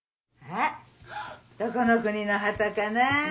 あっどこの国の旗かな？